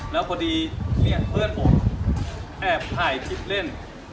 แล้วพอดีเนี่ยเพื่อนผมแอบถ่ายคลิปเล่น